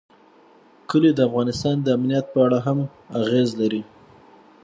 کلي د افغانستان د امنیت په اړه هم اغېز لري.